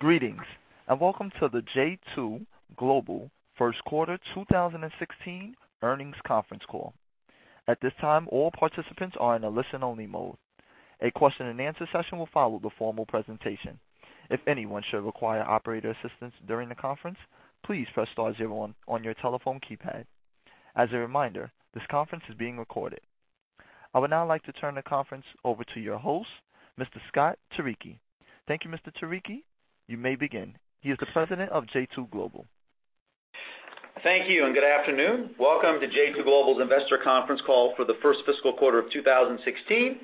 Greetings, and welcome to the j2 Global first quarter 2016 earnings onference call. At this time, all participants are in a listen-only mode. A question-and-answer session will follow the formal presentation. If anyone should require operator assistance during the conference, please press star zero on your telephone keypad. As a reminder, this conference is being recorded. I would now like to turn the conference over to your host, Mr. Scott Turicchi. Thank you, Mr. Turicchi. You may begin. He is the President of j2 Global. Thank you and good afternoon. Welcome to j2 Global's investor conference call for the first fiscal quarter of 2016.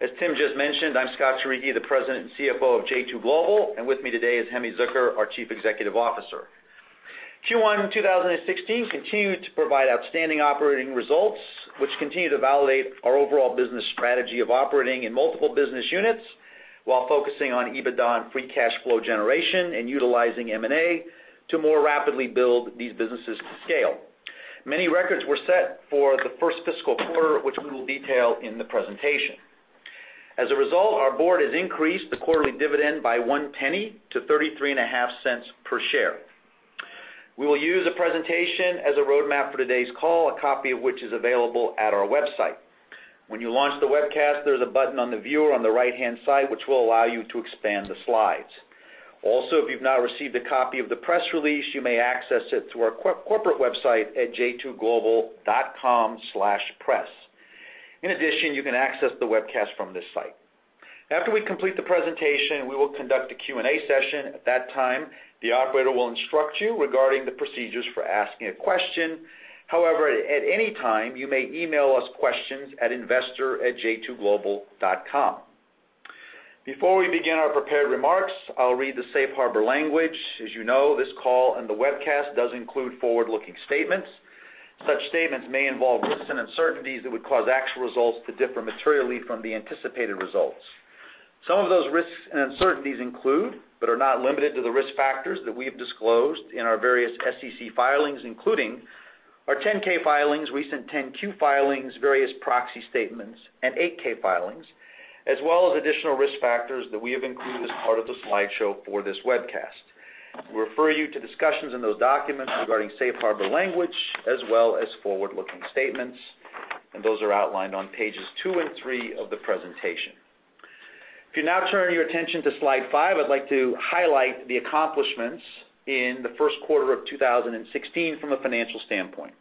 As Tim just mentioned, I'm Scott Turicchi, the President and CFO of j2 Global, and with me today is Hemi Zucker, our Chief Executive Officer. Q1 2016 continued to provide outstanding operating results, which continue to validate our overall business strategy of operating in multiple business units while focusing on EBITDA and free cash flow generation and utilizing M&A to more rapidly build these businesses to scale. Many records were set for the first fiscal quarter, which we will detail in the presentation. As a result, our board has increased the quarterly dividend by $0.01 to $0.335 per share. We will use a presentation as a roadmap for today's call, a copy of which is available at our website. When you launch the webcast, there's a button on the viewer on the right-hand side, which will allow you to expand the slides. Also, if you've not received a copy of the press release, you may access it through our corporate website at j2global.com/press. In addition, you can access the webcast from this site. After we complete the presentation, we will conduct a Q&A session. At that time, the operator will instruct you regarding the procedures for asking a question. However, at any time, you may email us questions at investor@j2global.com. Before we begin our prepared remarks, I'll read the safe harbor language. As you know, this call and the webcast does include forward-looking statements. Such statements may involve risks and uncertainties that would cause actual results to differ materially from the anticipated results. Some of those risks and uncertainties include, but are not limited to, the risk factors that we have disclosed in our various SEC filings, including our 10-K filings, recent 10-Q filings, various proxy statements, and 8-K filings, as well as additional risk factors that we have included as part of the slideshow for this webcast. We refer you to discussions in those documents regarding safe harbor language, as well as forward-looking statements, and those are outlined on pages two and three of the presentation. If you now turn your attention to slide five, I'd like to highlight the accomplishments in the first quarter of 2016 from a financial standpoint.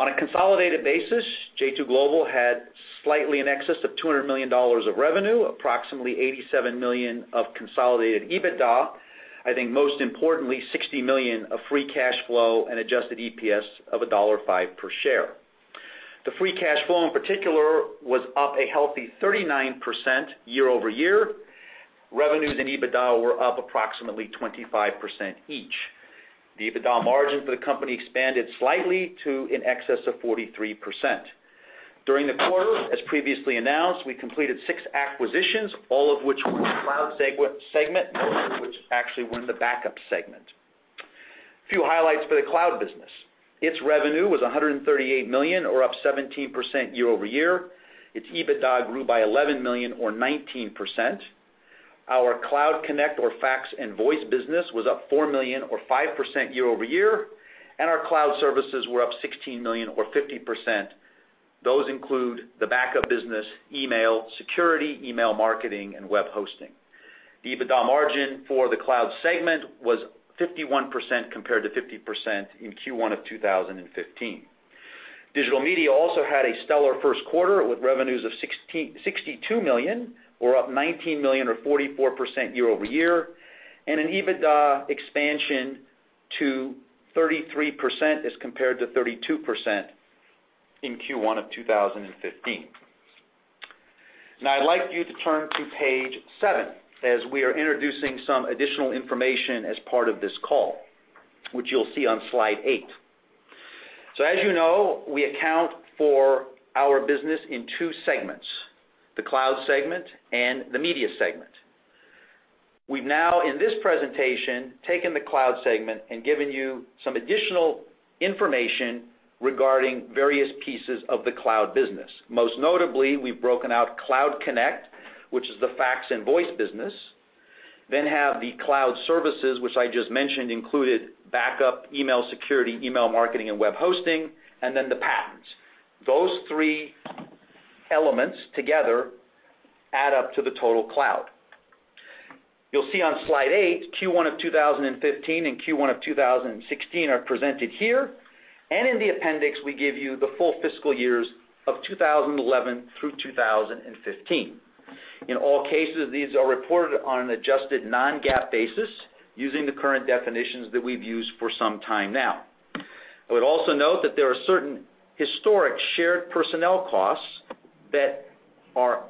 On a consolidated basis, j2 Global had slightly in excess of $200 million of revenue, approximately $87 million of consolidated EBITDA, I think most importantly, $60 million of free cash flow and adjusted EPS of $1.5 per share. The free cash flow, in particular, was up a healthy 39% year-over-year. Revenues and EBITDA were up approximately 25% each. The EBITDA margin for the company expanded slightly to in excess of 43%. During the quarter, as previously announced, we completed six acquisitions, all of which were in the cloud segment, most of which actually were in the backup segment. A few highlights for the cloud business. Its revenue was $138 million, or up 17% year-over-year. Its EBITDA grew by $11 million or 19%. Our Cloud Connect or fax and voice business was up $4 million or 5% year-over-year, and our Cloud Services were up $16 million or 50%. Those include the backup business, email security, email marketing, and web hosting. The EBITDA margin for the cloud segment was 51% compared to 50% in Q1 of 2015. Digital Media also had a stellar first quarter with revenues of $62 million, or up $19 million or 44% year-over-year, and an EBITDA expansion to 33% as compared to 32% in Q1 of 2015. I'd like you to turn to page seven, as we are introducing some additional information as part of this call, which you'll see on slide eight. As you know, we account for our business in two segments, the cloud segment and the media segment. We've now, in this presentation, taken the cloud segment and given you some additional information regarding various pieces of the cloud business. Most notably, we've broken out Cloud Connect, which is the fax and voice business, then have the Cloud Services, which I just mentioned included backup, email security, email marketing, and web hosting, then the patents. Those three elements together add up to the total cloud. You'll see on slide eight, Q1 of 2015 and Q1 of 2016 are presented here, in the appendix, we give you the full fiscal years of 2011 through 2015. In all cases, these are reported on an adjusted non-GAAP basis using the current definitions that we've used for some time now. I would also note that there are certain historic shared personnel costs that are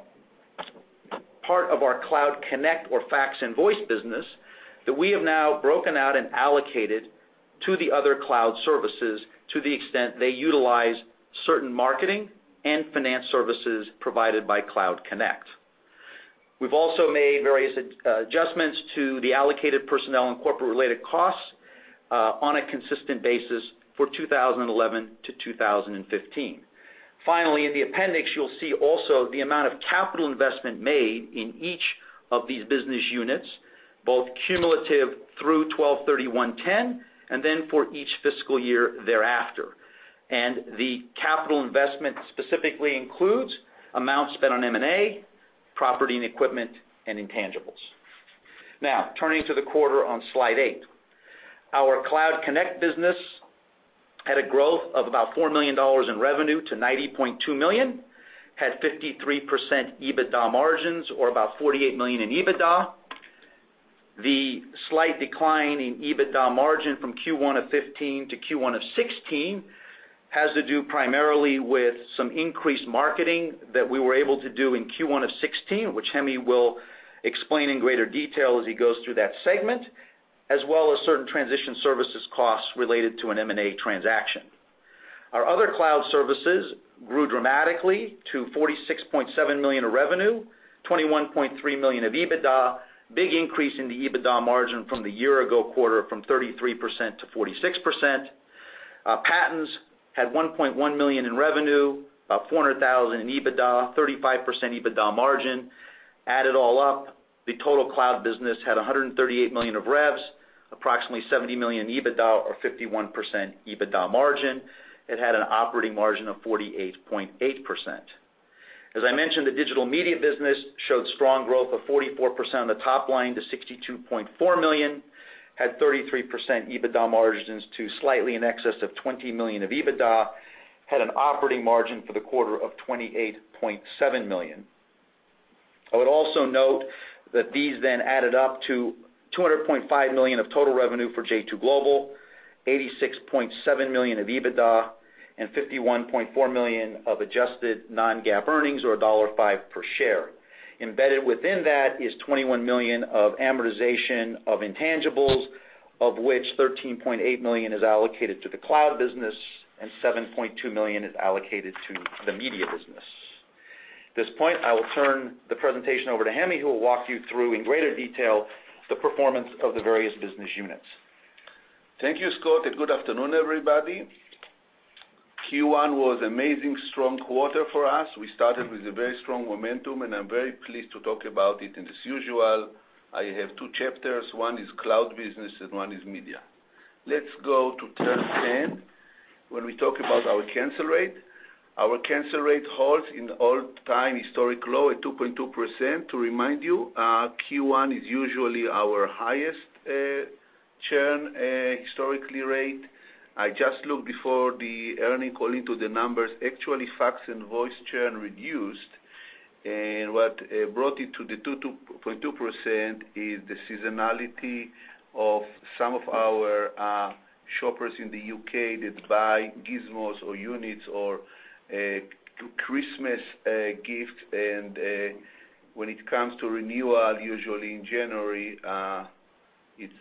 part of our Cloud Connect or fax and voice business that we have now broken out and allocated to the other Cloud Services to the extent they utilize certain marketing and finance services provided by Cloud Connect. We've also made various adjustments to the allocated personnel and corporate-related costs on a consistent basis for 2011 to 2015. In the appendix, you'll see also the amount of capital investment made in each of these business units, both cumulative through 12/31/2010, then for each fiscal year thereafter. The capital investment specifically includes amounts spent on M&A, property and equipment, and intangibles. Turning to the quarter on slide eight. Our Cloud Connect business had a growth of about $4 million in revenue to $90.2 million, had 53% EBITDA margins or about $48 million in EBITDA. The slight decline in EBITDA margin from Q1 of 2015 to Q1 of 2016 has to do primarily with some increased marketing that we were able to do in Q1 of 2016, which Hemi will explain in greater detail as he goes through that segment, as well as certain transition services costs related to an M&A transaction. Our other Cloud Services grew dramatically to $46.7 million of revenue, $21.3 million of EBITDA. Big increase in the EBITDA margin from the year-ago quarter from 33%-46%. Our patents had $1.1 million in revenue, about $400,000 in EBITDA, 35% EBITDA margin. Add it all up, the total cloud business had $138 million of revs, approximately $70 million in EBITDA or 51% EBITDA margin. It had an operating margin of 48.8%. As I mentioned, the Digital Media business showed strong growth of 44% on the top line to $62.4 million, had 33% EBITDA margins to slightly in excess of $20 million of EBITDA, had an operating margin for the quarter of $28.7 million. I would also note that these added up to $200.5 million of total revenue for j2 Global, $86.7 million of EBITDA, and $51.4 million of adjusted non-GAAP earnings or $1.05 per share. Embedded within that is $21 million of amortization of intangibles, of which $13.8 million is allocated to the cloud business and $7.2 million is allocated to the media business. At this point, I will turn the presentation over to Hemi, who will walk you through in greater detail the performance of the various business units. Thank you, Scott, good afternoon, everybody. Q1 was amazing strong quarter for us. We started with a very strong momentum, I'm very pleased to talk about it. As usual, I have two chapters. One is cloud business and one is media. Let's go to turn 10. When we talk about our cancel rate, our cancel rate holds in all-time historic low at 2.2%. To remind you, Q1 is usually our highest churn historically rate. I just looked before the earning call into the numbers, actually fax and voice churn reduced. What brought it to the 2.2% is the seasonality of some of our shoppers in the U.K. that buy gizmos or units or Christmas gift. When it comes to renewal, usually in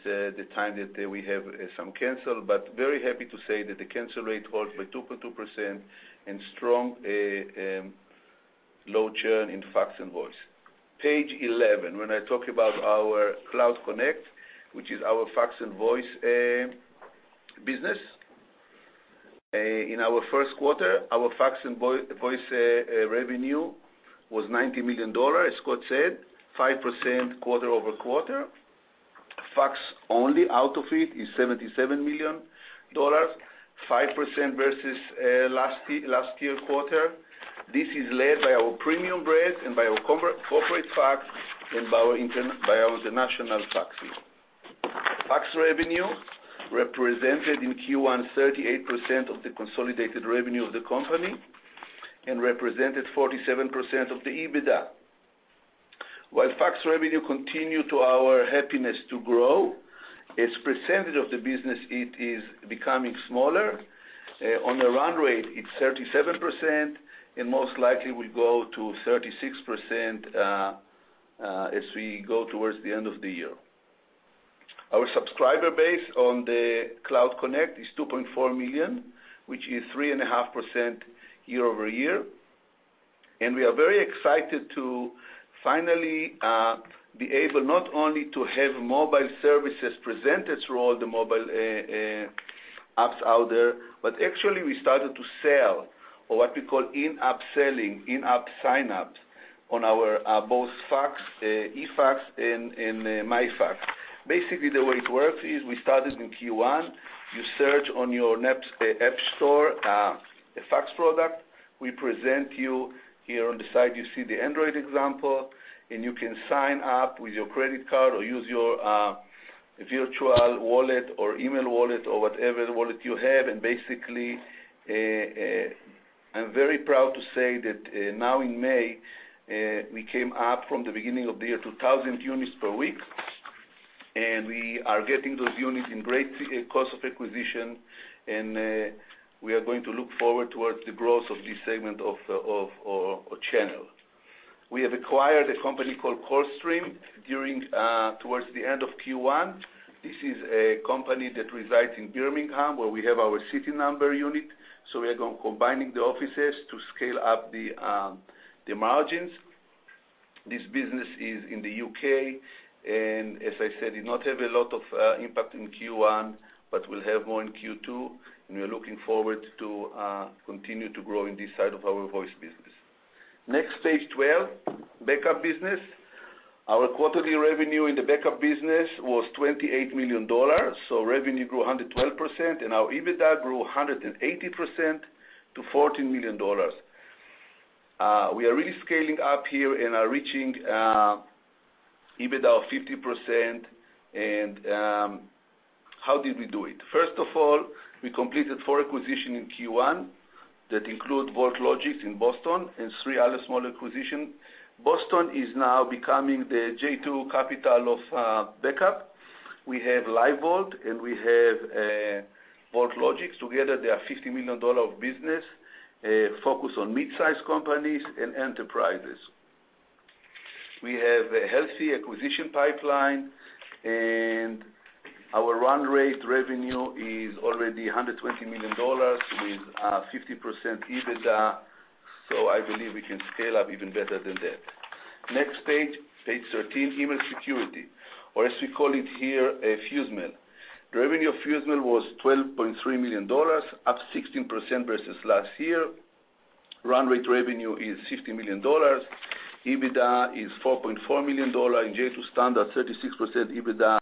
January, it's the time that we have some cancel, very happy to say that the cancel rate holds by 2.2% and strong low churn in fax and voice. Page 11, when I talk about our Cloud Connect, which is our fax and voice business. In our first quarter, our fax and voice revenue was $90 million, as Scott said, 5% quarter-over-quarter. Fax only out of it is $77 million, 5% versus last year quarter. This is led by our premium brand and by our corporate fax and by our international fax fee. Fax revenue represented in Q1 38% of the consolidated revenue of the company and represented 47% of the EBITDA. While fax revenue continued to our happiness to grow, its percentage of the business it is becoming smaller. On the run rate, it's 37%, most likely will go to 36% as we go towards the end of the year. Our subscriber base on the Cloud Connect is 2.4 million, which is 3.5% year-over-year. We are very excited to finally be able not only to have mobile services presented through all the mobile apps out there, but actually we started to sell or what we call in-app selling, in-app signups on our both fax, eFax, and MyFax. Basically, the way it works is we started in Q1. You search on your app store, a fax product. We present you here on the side, you see the Android example, and you can sign up with your credit card or use your virtual wallet or email wallet or whatever wallet you have. Basically, I'm very proud to say that now in May, we came up from the beginning of the year, 2,000 units per week, and we are getting those units in great cost of acquisition, and we are going to look forward towards the growth of this segment of our channel. We have acquired a company called Callstream towards the end of Q1. This is a company that resides in Birmingham, where we have our city number unit. We are combining the offices to scale up the margins. This business is in the U.K., and as I said, did not have a lot of impact in Q1, but will have more in Q2, and we're looking forward to continue to grow in this side of our voice business. Next page, 12, backup business. Our quarterly revenue in the backup business was $28 million. Revenue grew 112%, and our EBITDA grew 180% to $14 million. We are really scaling up here and are reaching EBITDA of 50%, and how did we do it? First of all, we completed four acquisition in Q1 that include VaultLogix in Boston and three other small acquisition. Boston is now becoming the j2 capital of backup. We have LiveVault and we have VaultLogix. Together, they are $50 million of business, focused on mid-size companies and enterprises. We have a healthy acquisition pipeline, and our run rate revenue is already $120 million with 50% EBITDA, so I believe we can scale up even better than that. Next page 13, email security, or as we call it here, FuseMail. Revenue of FuseMail was $12.3 million, up 16% versus last year. Run rate revenue is $60 million. EBITDA is $4.4 million. In j2 standard, 36% EBITDA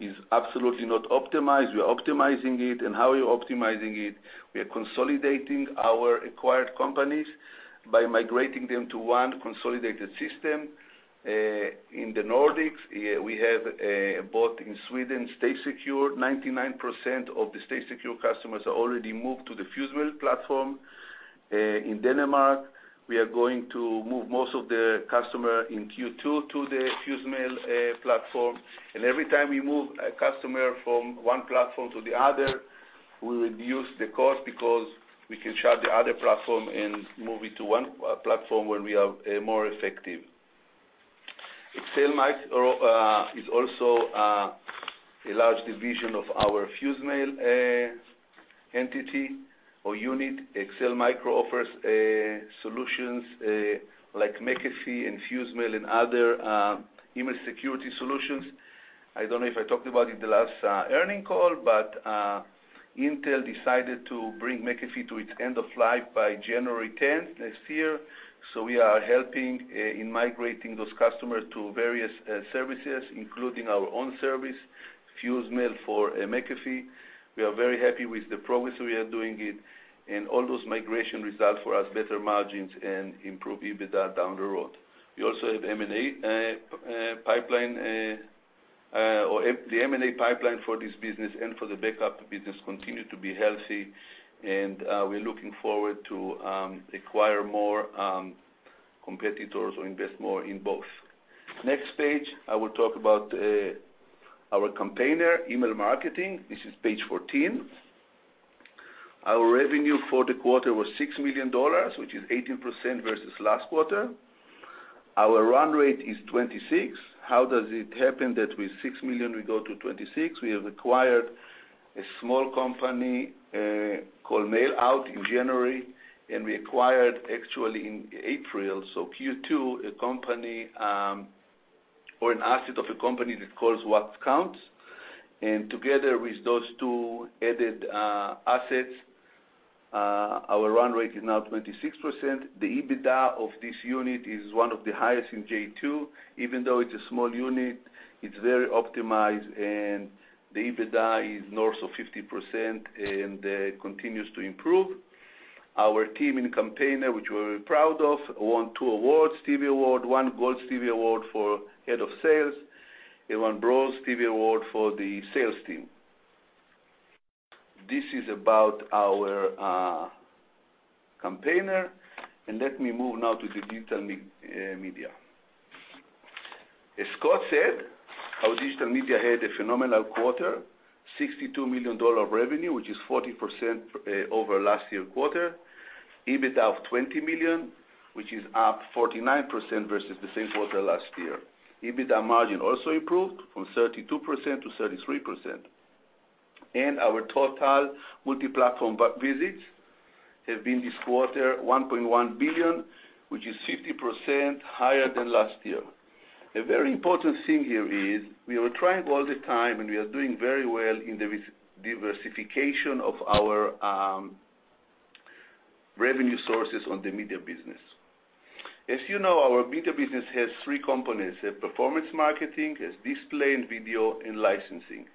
is absolutely not optimized. We're optimizing it, and how are we optimizing it? We are consolidating our acquired companies by migrating them to one consolidated system. In the Nordics, we have bought, in Sweden, StaySecured. 99% of the StaySecured customers are already moved to the FuseMail platform. In Denmark, we are going to move most of the customer in Q2 to the FuseMail platform. Every time we move a customer from one platform to the other, we reduce the cost because we can shut the other platform and move it to one platform where we are more effective. Excel Micro is also a large division of our FuseMail entity or unit. Excel Micro offers solutions like McAfee and FuseMail, and other email security solutions. I don't know if I talked about it the last earnings call, Intel decided to bring McAfee to its end of life by January 10th next year, we are helping in migrating those customers to various services, including our own service, FuseMail for McAfee. We are very happy with the progress we are doing it, and all those migration results for us better margins and improve EBITDA down the road. The M&A pipeline for this business and for the backup business continue to be healthy, and we're looking forward to acquire more competitors or invest more in both. Next page, I will talk about our Campaigner email marketing. This is page 14. Our revenue for the quarter was $6 million, which is 18% versus last quarter. Our run rate is 26. How does it happen that with $6 million we go to 26? We have acquired a small company, called Mailout in January, and we acquired actually in April, so Q2, a company, or an asset of a company that's called WhatCounts. Together with those two added assets, our run rate is now 26%. The EBITDA of this unit is one of the highest in J2. Even though it's a small unit, it's very optimized and the EBITDA is north of 50% and continues to improve. Our team in Campaigner, which we're very proud of, won two awards, Stevie Award, one Gold Stevie Award for Head of Sales and one Bronze Stevie Award for the sales team. This is about our Campaigner, let me move now to the Digital Media. As Scott said, our Digital Media had a phenomenal quarter, $62 million of revenue, which is 40% over last year quarter. EBITDA of $20 million, which is up 49% versus the same quarter last year. EBITDA margin also improved from 32%-33%. Our total multi-platform visits have been this quarter, 1.1 billion, which is 50% higher than last year. A very important thing here is we are trying all the time, and we are doing very well in the diversification of our revenue sources on the media business. As you know, our media business has three components. It has performance marketing, it has display and video, and licensing.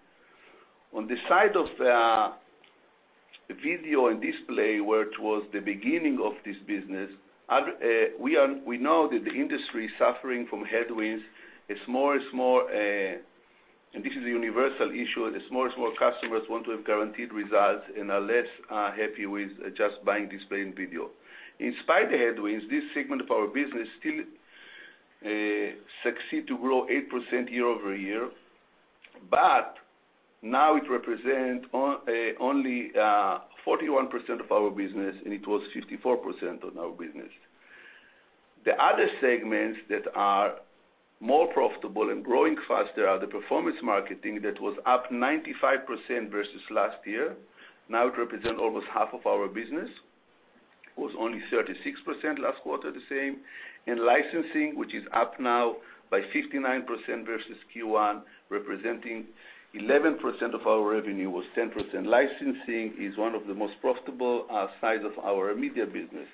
On the side of the video and display, where it was the beginning of this business, we know that the industry is suffering from headwinds, this is a universal issue, as more and more customers want to have guaranteed results and are less happy with just buying display and video. In spite of the headwinds, this segment of our business still succeed to grow 8% year-over-year, now it represent only 41% of our business, it was 54% on our business. The other segments that are more profitable and growing faster are the performance marketing that was up 95% versus last year. Now it represents almost half of our business. It was only 36% last quarter, the same. Licensing, which is up now by 59% versus Q1, representing 11% of our revenue, was 10%. Licensing is one of the most profitable sides of our media business.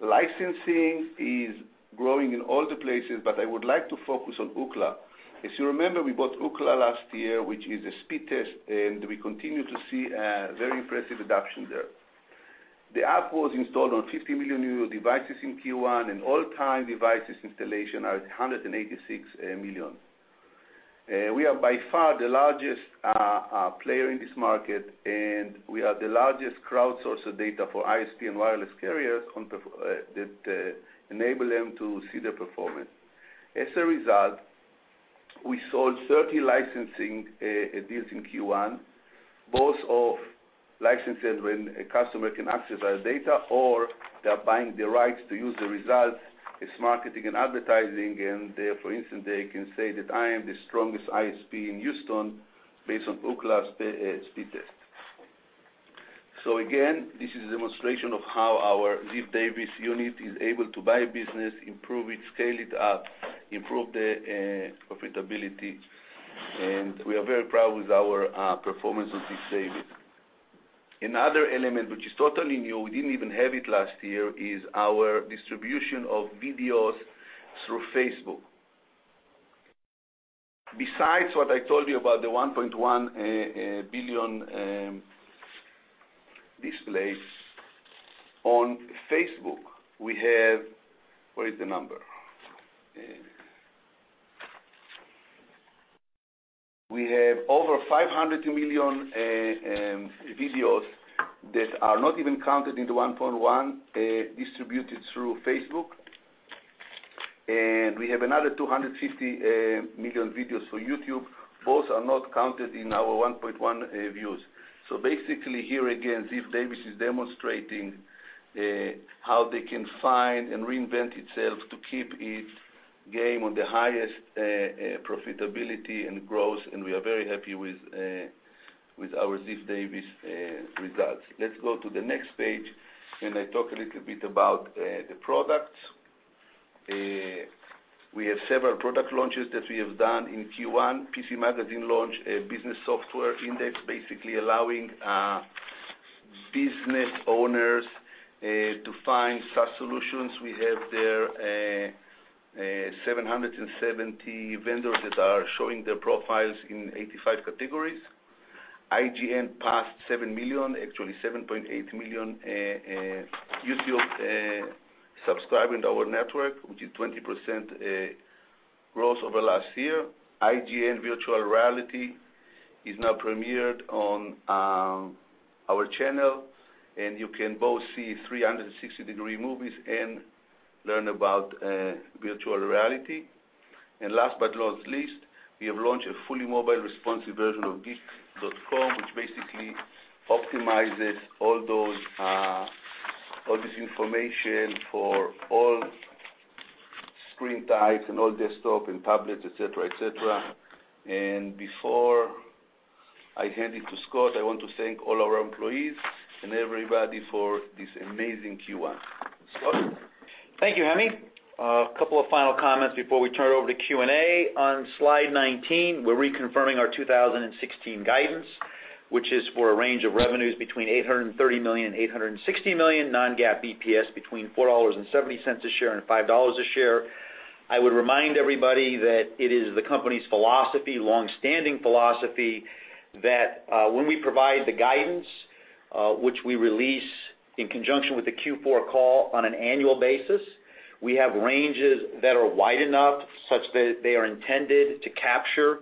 Licensing is growing in all the places, but I would like to focus on Ookla. If you remember, we bought Ookla last year, which is a speed test, and we continue to see a very impressive adoption there. The app was installed on 50 million new devices in Q1, and all-time devices installation are at 186 million. We are by far the largest player in this market, and we are the largest crowdsource of data for ISP and wireless carriers that enable them to see their performance. As a result, we sold 30 licensing deals in Q1, both of licenses when a customer can access our data or they're buying the rights to use the results. It's marketing and advertising, for instance, they can say that I am the strongest ISP in Houston based on Ookla's speed test. Again, this is a demonstration of how our Ziff Davis unit is able to buy a business, improve it, scale it up, improve the profitability. We are very proud with our performance with Ziff Davis. Another element which is totally new, we didn't even have it last year, is our distribution of videos through Facebook. Besides what I told you about the 1.1 billion displays on Facebook, we have Where is the number? We have over 500 million videos that are not even counted in the 1.1 distributed through Facebook. We have another 250 million videos for YouTube. Both are not counted in our 1.1 views. Basically here again, Ziff Davis is demonstrating how they can find and reinvent itself to keep its game on the highest profitability and growth. We are very happy with our Ziff Davis results. Let's go to the next page, and I talk a little bit about the products. We have several product launches that we have done in Q1. PC Magazine launched a business software index, basically allowing business owners to find SaaS solutions. We have there 770 vendors that are showing their profiles in 85 categories. IGN passed 7 million, actually 7.8 million YouTube subscribers on our network, which is 20% growth over last year. IGN Virtual Reality is now premiered on our channel, and you can both see 360-degree movies and learn about virtual reality. Last but not least, we have launched a fully mobile responsive version of Geek.com, which basically optimizes all this information for all screen types and all desktop and tablets, et cetera. Before I hand it to Scott, I want to thank all our employees and everybody for this amazing Q1. Scott? Thank you, Hemi. A couple of final comments before we turn it over to Q&A. On slide 19, we're reconfirming our 2016 guidance, which is for a range of revenues between $830 million and $860 million non-GAAP EPS between $4.70 a share and $5 a share. I would remind everybody that it is the company's philosophy, long-standing philosophy, that when we provide the guidance, which we release in conjunction with the Q4 call on an annual basis, we have ranges that are wide enough such that they are intended to capture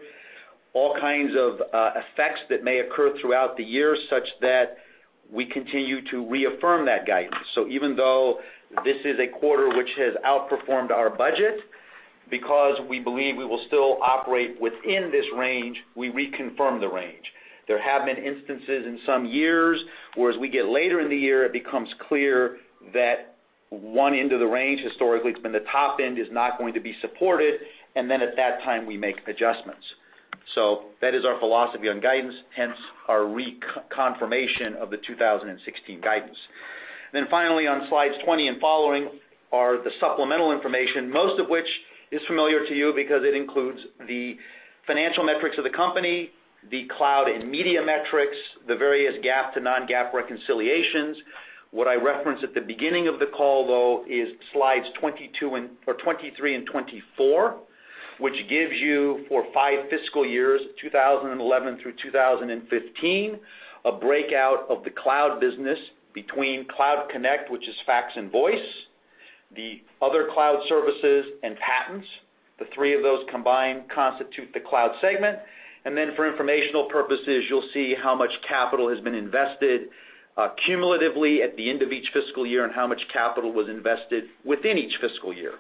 all kinds of effects that may occur throughout the year, such that we continue to reaffirm that guidance. Even though this is a quarter which has outperformed our budget, because we believe we will still operate within this range, we reconfirm the range. There have been instances in some years, where as we get later in the year, it becomes clear that one end of the range, historically it's been the top end, is not going to be supported, and at that time, we make adjustments. That is our philosophy on guidance, hence our reconfirmation of the 2016 guidance. Finally on slides 20 and following are the supplemental information, most of which is familiar to you because it includes the financial metrics of the company, the cloud and media metrics, the various GAAP to non-GAAP reconciliations. What I referenced at the beginning of the call, though, is slides 23 and 24, which gives you for five fiscal years, 2011 through 2015, a breakout of the cloud business between Cloud Connect, which is fax and voice, the other Cloud Services, and patents. The three of those combined constitute the cloud segment. For informational purposes, you'll see how much capital has been invested cumulatively at the end of each fiscal year and how much capital was invested within each fiscal year.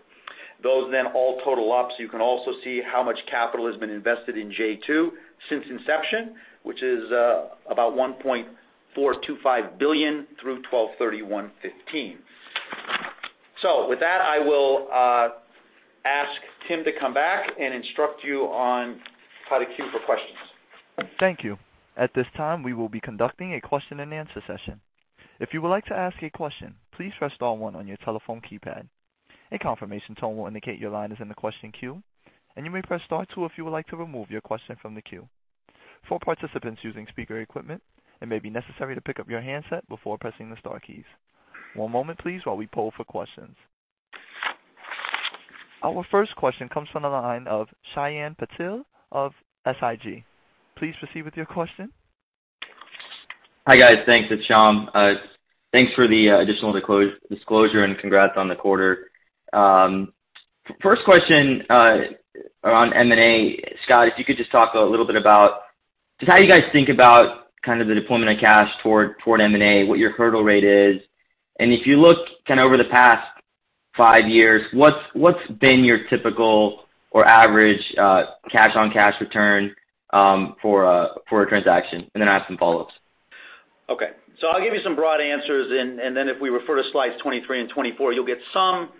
Those all total up, you can also see how much capital has been invested in j2 since inception, which is about $1.425 billion through 12/31/2015. With that, I will ask Tim to come back and instruct you on how to queue for questions. Thank you. At this time, we will be conducting a question and answer session. If you would like to ask a question, please press star one on your telephone keypad. A confirmation tone will indicate your line is in the question queue, and you may press star two if you would like to remove your question from the queue. For participants using speaker equipment, it may be necessary to pick up your handset before pressing the star keys. One moment please while we poll for questions. Our first question comes from the line of Shyam Patil of SIG. Please proceed with your question. Hi, guys. Thanks. It's Shyam. Thanks for the additional disclosure, congrats on the quarter. First question around M&A, Scott, if you could just talk a little bit about just how you guys think about kind of the deployment of cash toward M&A, what your hurdle rate is. If you look over the past five years, what's been your typical or average cash-on-cash return for a transaction? I have some follow-ups. Okay. I'll give you some broad answers. If we refer to slides 23 and 24, you'll get some.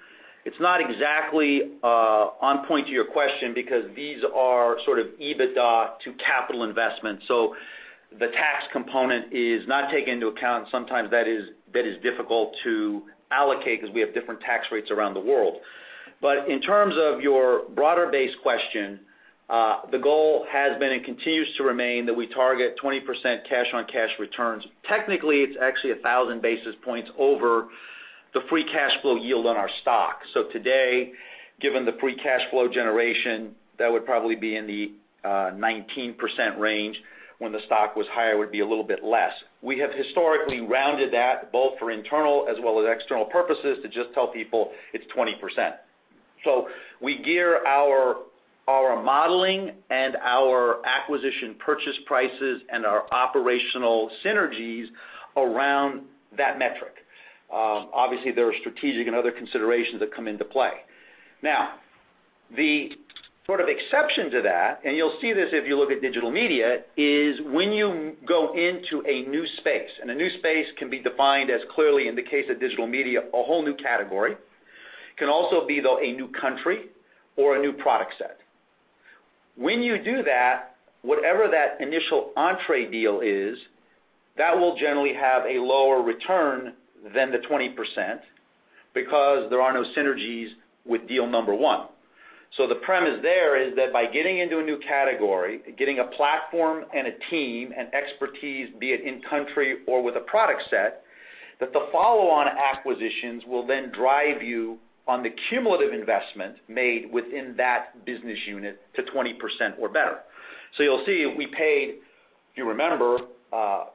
It's not exactly on point to your question because these are sort of EBITDA to capital investment, the tax component is not taken into account. Sometimes that is difficult to allocate because we have different tax rates around the world. In terms of your broader base question, the goal has been and continues to remain that we target 20% cash-on-cash returns. Technically, it's actually 1,000 basis points over the free cash flow yield on our stock. Today, given the free cash flow generation, that would probably be in the 19% range. When the stock was higher, it would be a little bit less. We have historically rounded that both for internal as well as external purposes to just tell people it's 20%. We gear our modeling and our acquisition purchase prices and our operational synergies around that metric. Obviously, there are strategic and other considerations that come into play. The sort of exception to that, you'll see this if you look at Digital Media, is when you go into a new space, and a new space can be defined as clearly in the case of Digital Media, a whole new category. It can also be, though, a new country or a new product set. When you do that, whatever that initial entree deal is, that will generally have a lower return than the 20% because there are no synergies with deal number one. The premise there is that by getting into a new category, getting a platform and a team and expertise, be it in country or with a product set, that the follow-on acquisitions will then drive you on the cumulative investment made within that business unit to 20% or better. You'll see, we paid, if you remember,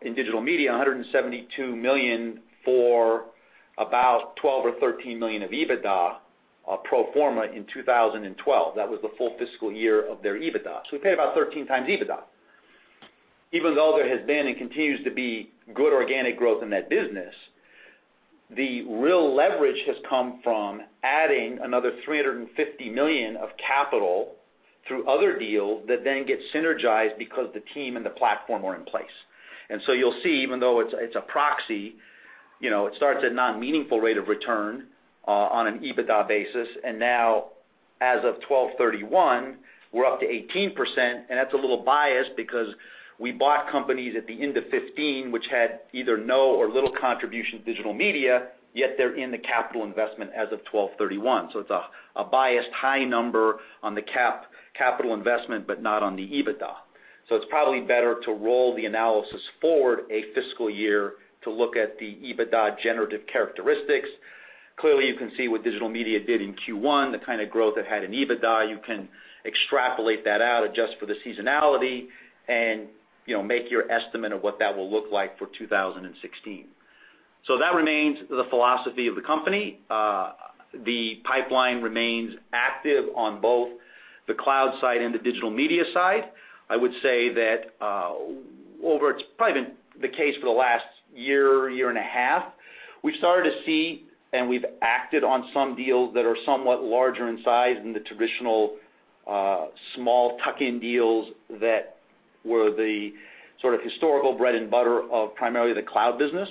in Digital Media, $172 million for about $12 million or $13 million of EBITDA pro forma in 2012. That was the full fiscal year of their EBITDA. We paid about 13 times EBITDA. Even though there has been and continues to be good organic growth in that business, the real leverage has come from adding another $350 million of capital through other deals that then get synergized because the team and the platform are in place. You'll see, even though it's a proxy, it starts at a non-meaningful rate of return on an EBITDA basis. Now as of 12/31, we're up to 18%, and that's a little biased because we bought companies at the end of 2015, which had either no or little contribution to Digital Media, yet they're in the capital investment as of 12/31. It's a biased high number on the capital investment, but not on the EBITDA. It's probably better to roll the analysis forward a fiscal year to look at the EBITDA generative characteristics. Clearly, you can see what Digital Media did in Q1, the kind of growth it had in EBITDA. You can extrapolate that out, adjust for the seasonality, and make your estimate of what that will look like for 2016. That remains the philosophy of the company. The pipeline remains active on both the cloud side and the Digital Media side. I would say that over, it's probably been the case for the last year and a half, we've started to see, and we've acted on some deals that are somewhat larger in size than the traditional small tuck-in deals that were the sort of historical bread and butter of primarily the cloud business,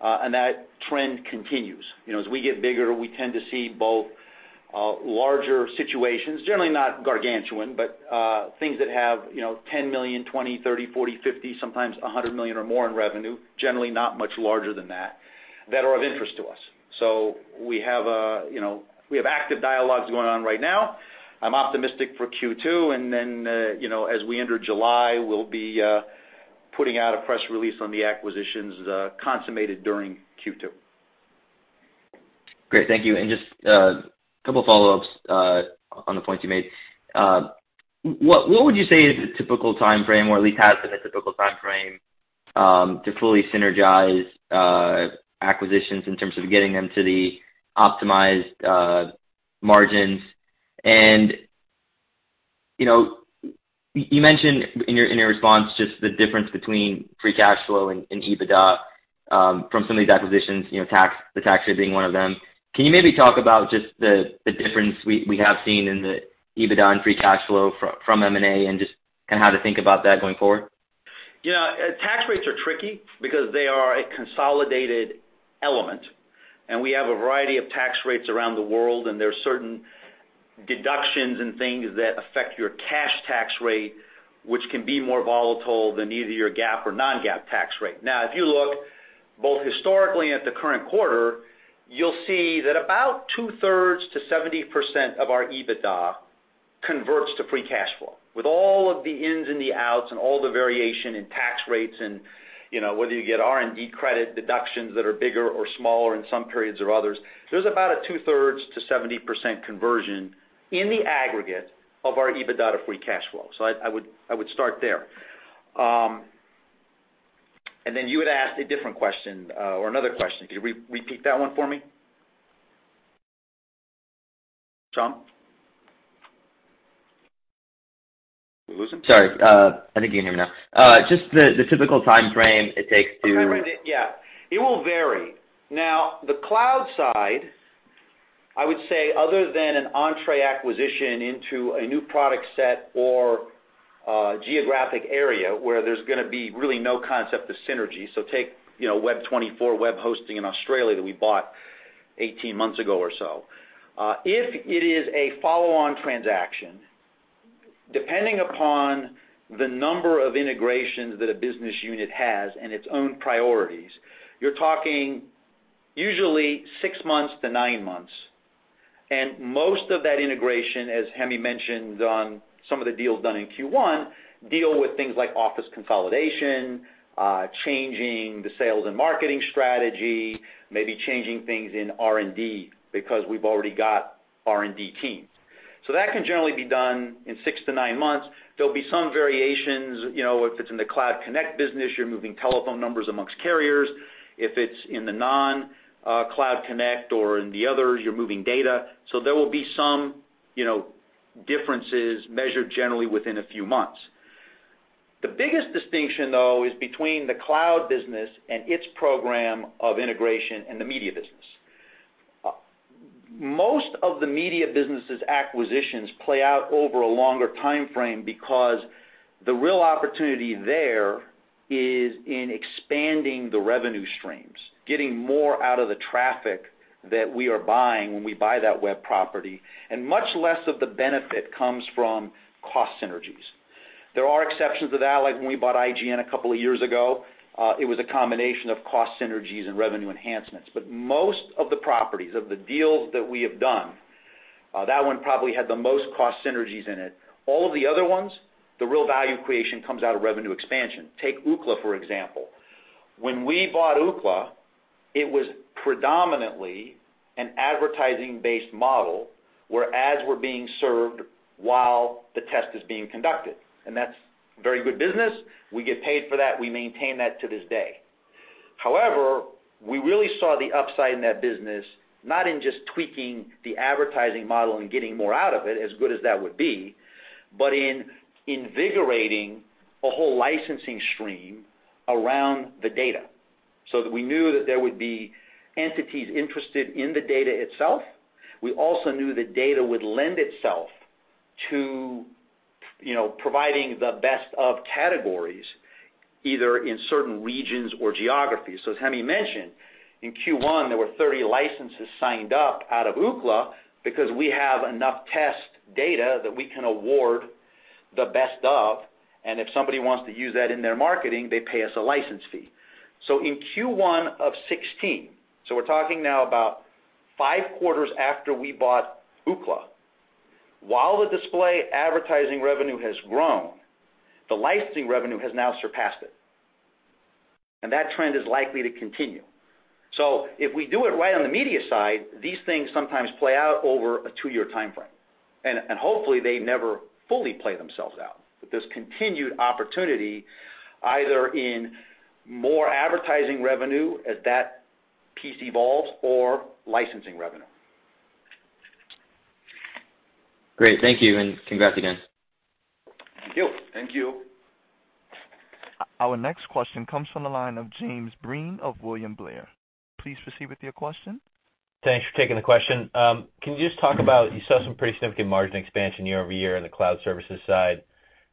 and that trend continues. As we get bigger, we tend to see both larger situations, generally not gargantuan, but things that have $10 million, $20 million, $30 million, $40 million, $50 million, sometimes $100 million or more in revenue, generally not much larger than that are of interest to us. We have active dialogues going on right now. I'm optimistic for Q2, and then, as we enter July, we'll be putting out a press release on the acquisitions consummated during Q2. Great. Thank you. Just a couple follow-ups on the points you made. What would you say is a typical timeframe or at least has been a typical timeframe to fully synergize acquisitions in terms of getting them to the optimized margins? You mentioned in your response just the difference between free cash flow and EBITDA from some of these acquisitions, the tax rate being one of them. Can you maybe talk about just the difference we have seen in the EBITDA and free cash flow from M&A and just how to think about that going forward? Yeah. Tax rates are tricky because they are a consolidated element, we have a variety of tax rates around the world, and there are certain deductions and things that affect your cash tax rate, which can be more volatile than either your GAAP or non-GAAP tax rate. Now, if you look both historically and at the current quarter, you'll see that about two-thirds to 70% of our EBITDA converts to free cash flow. With all of the ins and the outs and all the variation in tax rates and whether you get R&D credit deductions that are bigger or smaller in some periods or others, there's about a two-thirds to 70% conversion in the aggregate of our EBITDA to free cash flow. I would start there. Then you had asked a different question or another question. Could you repeat that one for me? Shyam? Sorry. I think you can hear me now. Just the typical timeframe it takes. Timeframe. Yeah. It will vary. Now, the cloud side, I would say other than an entry acquisition into a new product set or geographic area where there's going to be really no concept of synergy, so take Web24 web hosting in Australia that we bought 18 months ago or so. If it is a follow-on transaction, depending upon the number of integrations that a business unit has and its own priorities, you're talking usually six months to nine months. Most of that integration, as Hemi mentioned on some of the deals done in Q1, deal with things like office consolidation, changing the sales and marketing strategy, maybe changing things in R&D because we've already got R&D teams. That can generally be done in six to nine months. There'll be some variations. If it's in the Cloud Connect business, you're moving telephone numbers amongst carriers. If it's in the non-Cloud Connect or in the others, you're moving data. There will be some differences measured generally within a few months. The biggest distinction, though, is between the cloud business and its program of integration and the media business. Most of the media business' acquisitions play out over a longer timeframe because the real opportunity there is in expanding the revenue streams, getting more out of the traffic that we are buying when we buy that web property, and much less of the benefit comes from cost synergies. There are exceptions to that, like when we bought IGN a couple of years ago. It was a combination of cost synergies and revenue enhancements. Most of the properties of the deals that we have done, that one probably had the most cost synergies in it. All of the other ones, the real value creation comes out of revenue expansion. Take Ookla, for example. When we bought Ookla, it was predominantly an advertising-based model where ads were being served while the test is being conducted, and that's very good business. We get paid for that. We maintain that to this day. However, we really saw the upside in that business, not in just tweaking the advertising model and getting more out of it, as good as that would be, but in invigorating a whole licensing stream around the data so that we knew that there would be entities interested in the data itself. We also knew the data would lend itself to providing the best of categories, either in certain regions or geographies. As Hemi mentioned, in Q1, there were 30 licenses signed up out of Ookla because we have enough test data that we can award the best of, and if somebody wants to use that in their marketing, they pay us a license fee. In Q1 of 2016, we're talking now about five quarters after we bought Ookla, while the display advertising revenue has grown, the licensing revenue has now surpassed it, that trend is likely to continue. If we do it right on the media side, these things sometimes play out over a two-year timeframe. Hopefully, they never fully play themselves out. There's continued opportunity either in more advertising revenue as that piece evolves or licensing revenue. Great. Thank you, congrats again. Thank you. Thank you. Our next question comes from the line of James Breen of William Blair. Please proceed with your question. Thanks for taking the question. Can you just talk about, you saw some pretty significant margin expansion year-over-year in the Cloud Services side,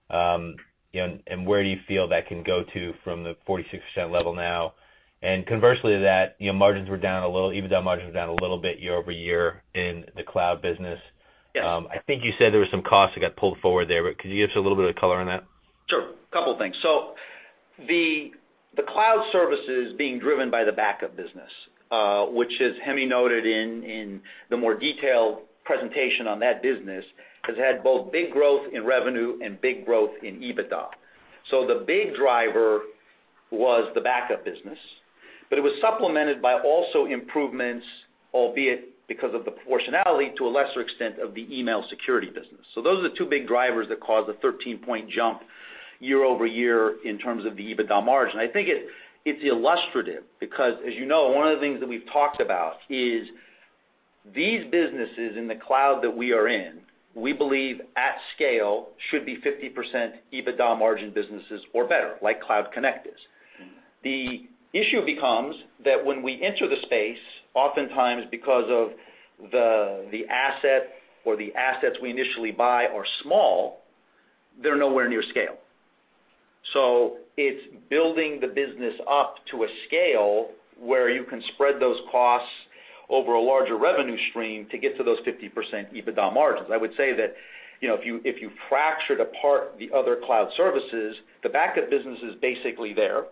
where do you feel that can go to from the 46% level now? Conversely to that, EBITDA margin was down a little bit year-over-year in the cloud business. Yeah. I think you said there were some costs that got pulled forward there, could you give us a little bit of color on that? Sure. Couple of things. The Cloud Services being driven by the backup business, which as Hemi noted in the more detailed presentation on that business, has had both big growth in revenue and big growth in EBITDA. The big driver was the backup business, it was supplemented by also improvements, albeit because of the proportionality to a lesser extent of the email security business. Those are the two big drivers that caused the 13-point jump year-over-year in terms of the EBITDA margin. I think it's illustrative because as you know, one of the things that we've talked about is These businesses in the cloud that we are in, we believe at scale should be 50% EBITDA margin businesses or better, like Cloud Connect is. The issue becomes that when we enter the space, oftentimes because of the asset or the assets we initially buy are small, they're nowhere near scale. It's building the business up to a scale where you can spread those costs over a larger revenue stream to get to those 50% EBITDA margins. I would say that, if you fractured apart the other Cloud Services, the backup business is basically there.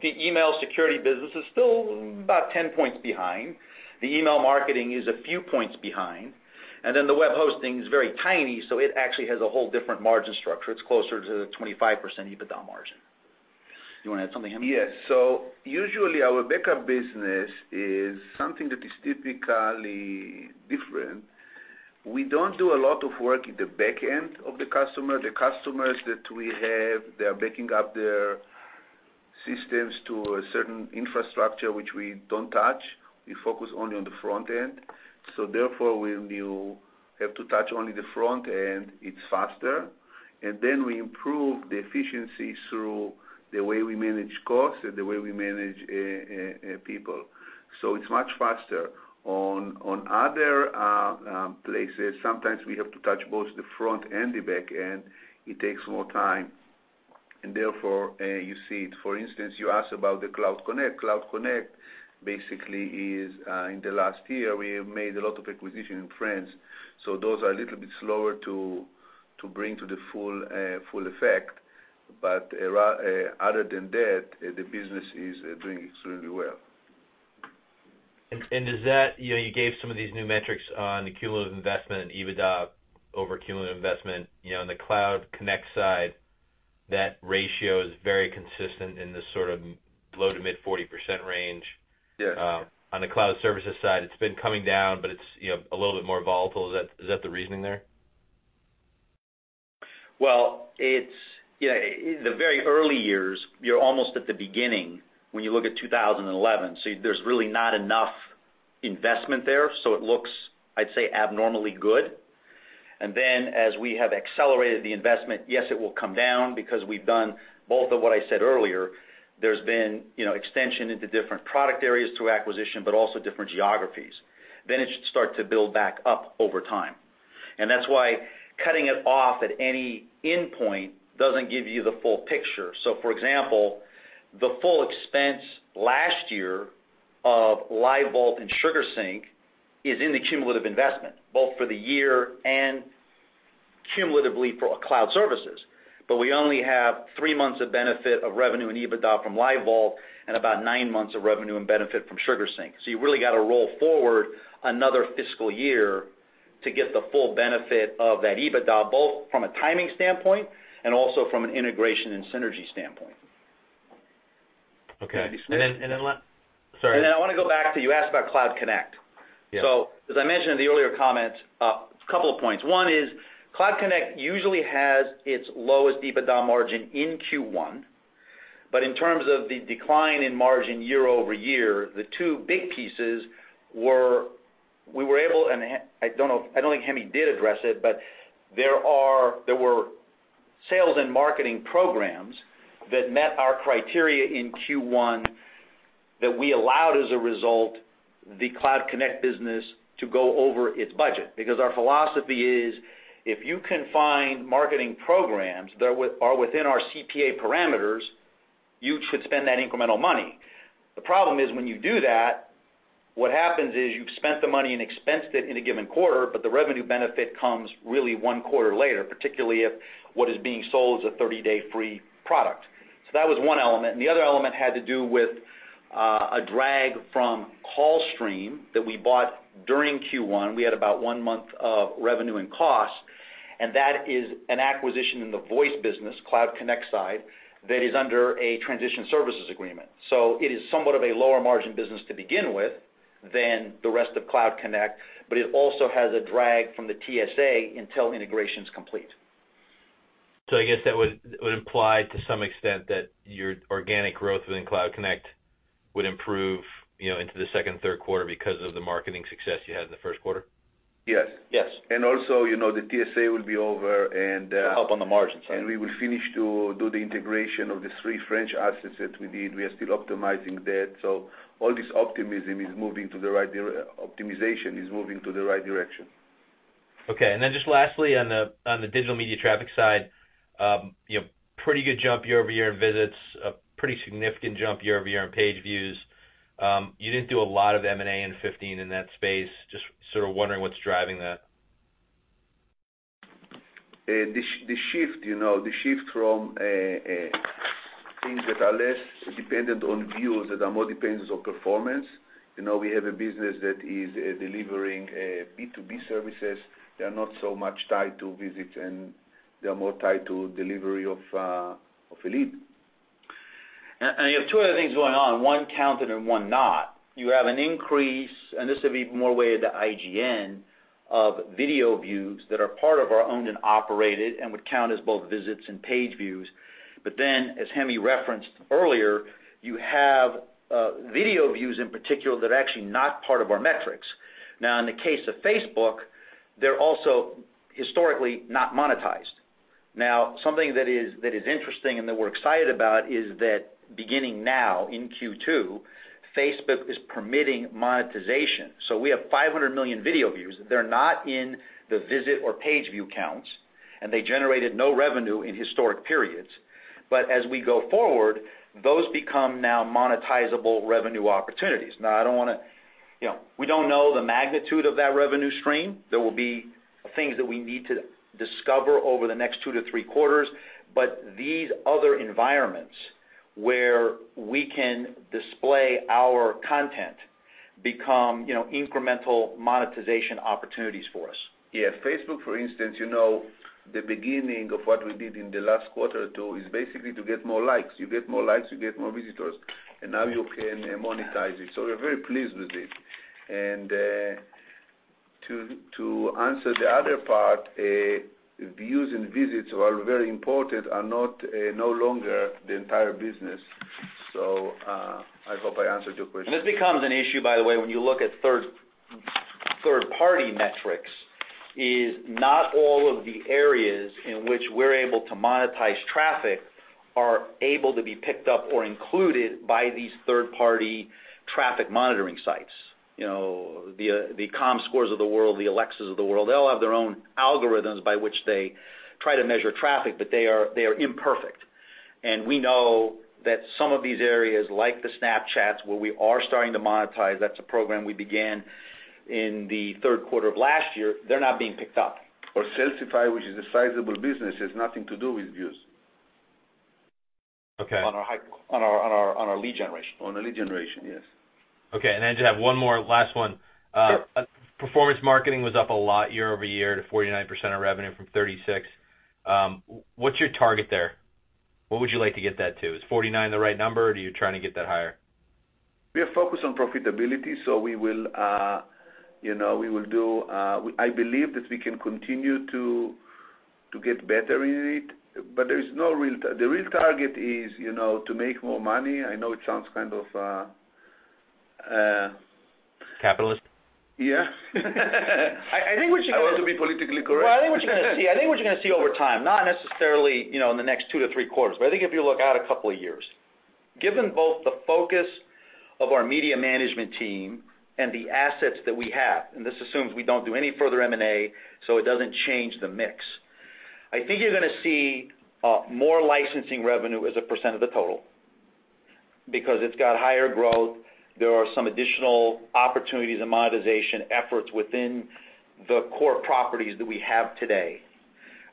The email security business is still about 10 points behind. The email marketing is a few points behind, and then the web hosting is very tiny, so it actually has a whole different margin structure. It's closer to the 25% EBITDA margin. Do you want to add something, Hemi? Yes. Usually our backup business is something that is typically different. We don't do a lot of work at the back end of the customer. The customers that we have, they are backing up their systems to a certain infrastructure, which we don't touch. We focus only on the front end. Therefore, when you have to touch only the front end, it's faster. Then we improve the efficiency through the way we manage costs and the way we manage people. It's much faster. On other places, sometimes we have to touch both the front and the back end. It takes more time. Therefore, you see it. For instance, you asked about the Cloud Connect. Cloud Connect basically is, in the last year, we have made a lot of acquisition in France, those are a little bit slower to bring to the full effect. Other than that, the business is doing extremely well. Is that, you gave some of these new metrics on the cumulative investment and EBITDA over cumulative investment. On the Cloud Connect side, that ratio is very consistent in this sort of low to mid 40% range. Yes. On the Cloud Services side, it's been coming down, but it's a little bit more volatile. Is that the reasoning there? Well, in the very early years, you're almost at the beginning when you look at 2011. There's really not enough investment there, so it looks, I'd say, abnormally good. As we have accelerated the investment, yes, it will come down because we've done both of what I said earlier. There's been extension into different product areas through acquisition, but also different geographies. It should start to build back up over time. That's why cutting it off at any endpoint doesn't give you the full picture. For example, the full expense last year of LiveVault and SugarSync is in the cumulative investment, both for the year and cumulatively for our Cloud Services. We only have three months of benefit of revenue and EBITDA from LiveVault and about nine months of revenue and benefit from SugarSync. You really got to roll forward another fiscal year to get the full benefit of that EBITDA, both from a timing standpoint and also from an integration and synergy standpoint. Okay. Does that make sense? Sorry. I want to go back to, you asked about Cloud Connect. Yeah. As I mentioned in the earlier comments, couple of points. One is Cloud Connect usually has its lowest EBITDA margin in Q1, but in terms of the decline in margin year-over-year, the two big pieces were, we were able, and I don't think Hemi did address it, but there were sales and marketing programs that met our criteria in Q1 that we allowed as a result, the Cloud Connect business to go over its budget. Because our philosophy is, if you can find marketing programs that are within our CPA parameters, you should spend that incremental money. The problem is when you do that, what happens is you've spent the money and expensed it in a given quarter, but the revenue benefit comes really one quarter later, particularly if what is being sold is a 30-day free product. That was one element, and the other element had to do with a drag from Callstream that we bought during Q1. We had about one month of revenue and cost, and that is an acquisition in the voice business, Cloud Connect side, that is under a transition services agreement. It is somewhat of a lower margin business to begin with than the rest of Cloud Connect, but it also has a drag from the TSA until integration's complete. I guess that would imply to some extent that your organic growth within Cloud Connect would improve into the second and third quarter because of the marketing success you had in the first quarter? Yes. Yes. Also, the TSA will be over. It'll help on the margins, right? We will finish to do the integration of these three French assets that we did. We are still optimizing that. All this optimization is moving to the right direction. Okay. Just lastly, on the Digital Media traffic side, pretty good jump year-over-year in visits, a pretty significant jump year-over-year on page views. You didn't do a lot of M&A in 2015 in that space. Just sort of wondering what's driving that. The shift from things that are less dependent on views, that are more dependent on performance. We have a business that is delivering B2B services. They are not so much tied to visits, they are more tied to delivery of a lead. You have two other things going on, one counted and one not. You have an increase, and this would be more way the IGN of video views that are part of our owned and operated and would count as both visits and page views. As Hemi referenced earlier, you have video views in particular that are actually not part of our metrics. In the case of Facebook, they're also historically not monetized. Something that is interesting and that we're excited about is that beginning now in Q2, Facebook is permitting monetization. We have 500 million video views. They're not in the visit or page view counts, and they generated no revenue in historic periods. As we go forward, those become now monetizable revenue opportunities. We don't know the magnitude of that revenue stream. There will be things that we need to discover over the next two to three quarters, these other environments where we can display our content become incremental monetization opportunities for us. Yeah. Facebook, for instance, the beginning of what we did in the last quarter too, is basically to get more likes. You get more likes, you get more visitors, and now you can monetize it. We're very pleased with it. To answer the other part, views and visits, while very important, are no longer the entire business. I hope I answered your question. This becomes an issue, by the way, when you look at third-party metrics, is not all of the areas in which we're able to monetize traffic are able to be picked up or included by these third-party traffic monitoring sites. The Comscores of the world, the Alexas of the world, they all have their own algorithms by which they try to measure traffic, but they are imperfect. We know that some of these areas, like the Snapchats, where we are starting to monetize, that's a program we began in the third quarter of last year, they're not being picked up. Salsify, which is a sizable business, has nothing to do with views. Okay. On our lead generation. On the lead generation, yes. Okay, I just have one more, last one. Sure. Performance marketing was up a lot year-over-year to 49% of revenue from 36%. What's your target there? What would you like to get that to? Is 49% the right number, or are you trying to get that higher? We are focused on profitability, I believe that we can continue to get better in it, but the real target is to make more money. Capitalist. Yeah. I think. I want to be politically correct. Well, I think what you're going to see over time, not necessarily in the next two to three quarters, but I think if you look out a couple of years, given both the focus of our media management team and the assets that we have, and this assumes we don't do any further M&A, so it doesn't change the mix. I think you're going to see more licensing revenue as a percent of the total because it's got higher growth. There are some additional opportunities and monetization efforts within the core properties that we have today.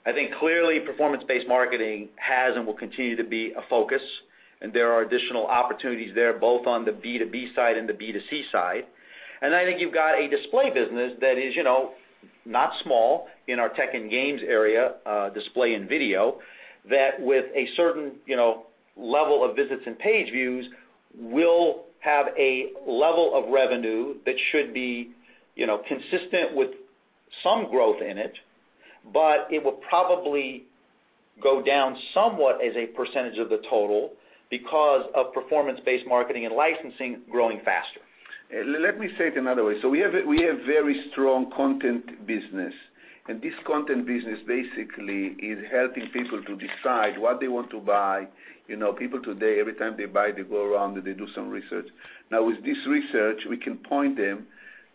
I think clearly performance-based marketing has and will continue to be a focus, and there are additional opportunities there, both on the B2B side and the B2C side. I think you've got a display business that is not small in our tech and games area, display and video, that with a certain level of visits and page views, will have a level of revenue that should be consistent with some growth in it. It will probably go down somewhat as a percentage of the total because of performance-based marketing and licensing growing faster. Let me say it another way. We have very strong content business. This content business basically is helping people to decide what they want to buy. People today, every time they buy, they go around. They do some research. With this research, we can point them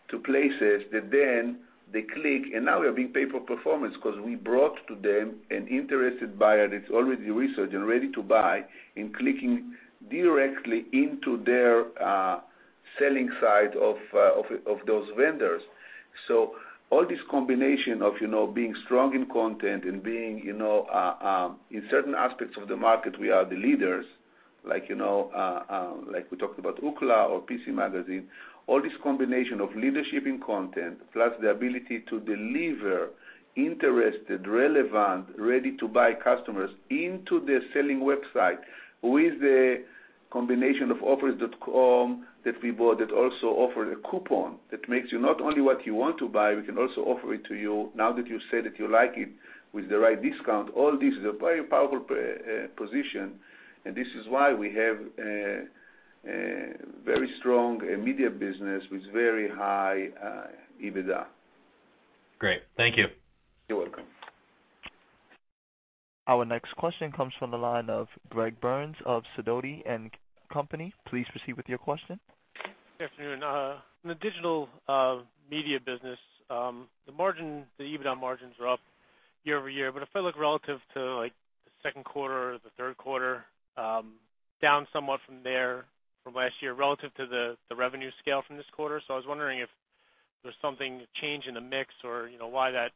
to places that then they click. Now we are being paid for performance because we brought to them an interested buyer that's already researched and ready to buy, and clicking directly into their selling side of those vendors. All this combination of being strong in content and being, in certain aspects of the market, we are the leaders. We talked about Ookla or PC Magazine. All this combination of leadership in content plus the ability to deliver interested, relevant, ready-to-buy customers into their selling website with a combination of Offers.com that we bought that also offer a coupon that makes you not only what you want to buy, we can also offer it to you now that you say that you like it with the right discount. All this is a very powerful position. This is why we have a very strong media business with very high EBITDA. Great. Thank you. You're welcome. Our next question comes from the line of Greg Burns of Sidoti & Company. Please proceed with your question. Good afternoon. In the Digital Media business, the EBITDA margins are up year-over-year, but if I look relative to the second quarter or the third quarter, down somewhat from there from last year relative to the revenue scale from this quarter. I was wondering if there's something, change in the mix or why that-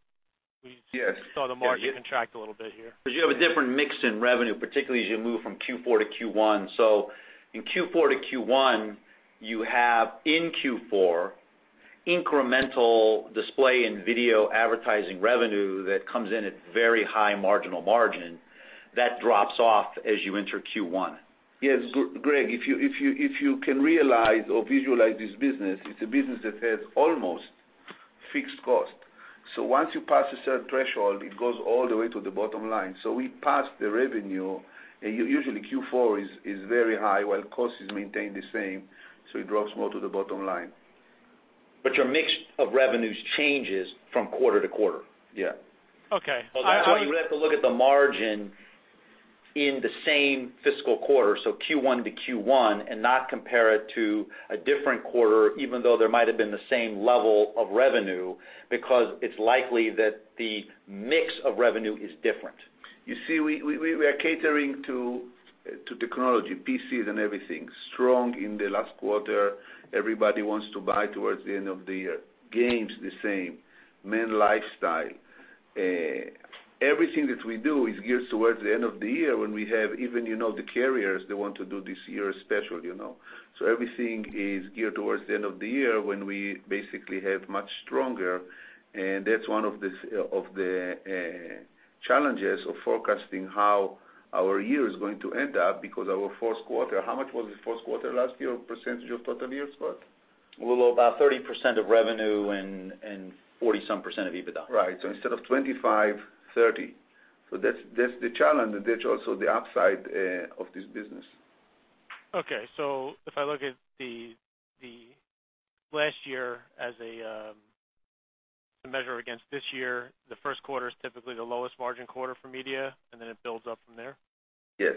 Yes we saw the margin contract a little bit here. You have a different mix in revenue, particularly as you move from Q4 to Q1. In Q4 to Q1, you have in Q4 incremental display in video advertising revenue that comes in at very high marginal margin that drops off as you enter Q1. Yes, Greg, if you can realize or visualize this business, it's a business that has almost fixed cost. Once you pass a certain threshold, it goes all the way to the bottom line. We pass the revenue, and usually Q4 is very high, while cost is maintained the same, it drops more to the bottom line. Your mix of revenues changes from quarter to quarter. Yeah. Okay. Well, that's why you have to look at the margin in the same fiscal quarter, Q1 to Q1, and not compare it to a different quarter, even though there might have been the same level of revenue, because it's likely that the mix of revenue is different. You see, we are catering to technology, PCs, and everything. Strong in the last quarter. Everybody wants to buy towards the end of the year. Games, the same. Men lifestyle. Everything that we do is geared towards the end of the year when we have even the carriers, they want to do this year special. Everything is geared towards the end of the year when we basically have much stronger, and that's one of the challenges of forecasting how our year is going to end up because our fourth quarter, how much was the fourth quarter last year percentage of total years, Scott? Well, about 30% of revenue and 40-some% of EBITDA. Right. Instead of 25%, 30%. That's the challenge, and that's also the upside of this business. Okay. If I look at the last year as a measure against this year, the first quarter is typically the lowest margin quarter for media, and then it builds up from there? Yes.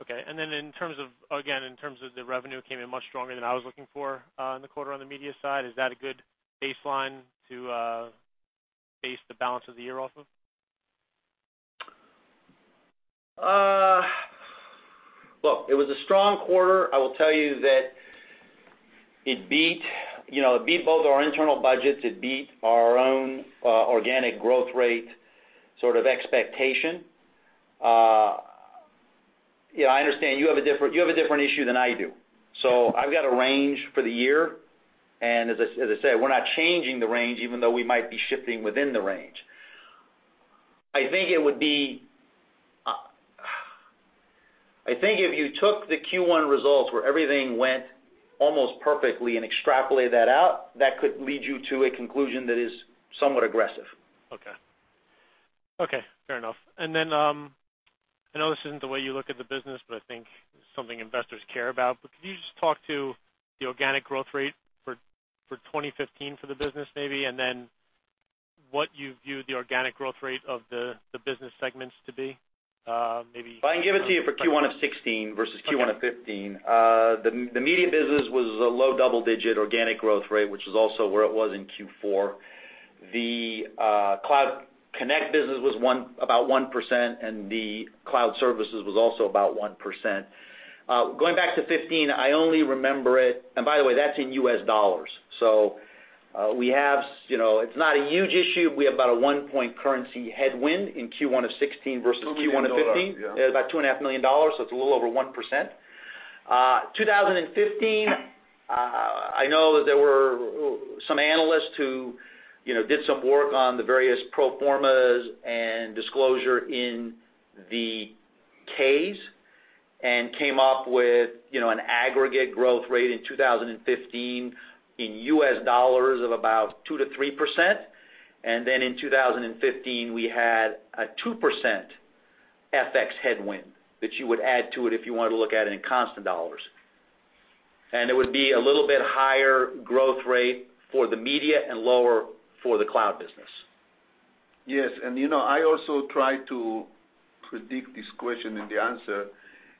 Okay. Again, in terms of the revenue came in much stronger than I was looking for on the quarter on the media side. Is that a good baseline to base the balance of the year off of? Look, it was a strong quarter. I will tell you that it beat both our internal budgets. It beat our own organic growth rate sort of expectation. I understand you have a different issue than I do. I've got a range for the year, as I say, we're not changing the range, even though we might be shifting within the range. I think if you took the Q1 results where everything went almost perfectly and extrapolate that out, that could lead you to a conclusion that is somewhat aggressive. Okay. Fair enough. I know this isn't the way you look at the business, but I think it's something investors care about. Could you just talk to the organic growth rate for 2015 for the business, maybe, what you view the organic growth rate of the business segments to be? I can give it to you for Q1 of 2016 versus Q1 of 2015. Okay. The media business was a low double-digit organic growth rate, which is also where it was in Q4. The Cloud Connect business was about 1%, the Cloud Services was also about 1%. Going back to 2015, by the way, that's in U.S. dollars. It's not a huge issue. We have about a one-point currency headwind in Q1 of 2016 versus Q1 of 2015. It's only $1 million, yeah. About $2.5 million, it's a little over 1%. 2015, I know that there were some analysts who did some work on the various pro formas and disclosure in the Ks, came up with an aggregate growth rate in 2015 in US dollars of about 2%-3%. In 2015, we had a 2% FX headwind that you would add to it if you want to look at it in constant dollars. It would be a little bit higher growth rate for the media and lower for the cloud business. Yes. I also try to predict this question in the answer.